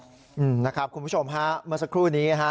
คุณผู้ชมฮะเมื่อสักครู่นี้ฮะ